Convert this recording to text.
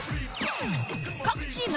各チーム